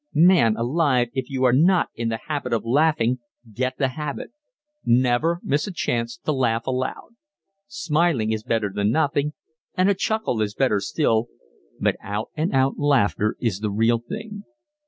Man alive, if you are not in the habit of laughing, get the habit. Never miss a chance to laugh aloud. Smiling is better than nothing, and a chuckle is better still but out and out laughter is the real thing.